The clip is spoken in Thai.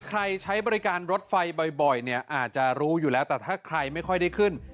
ใช้บริการรถไฟบ่อยเนี่ยอาจจะรู้อยู่แล้วแต่ถ้าใครไม่ค่อยได้ขึ้น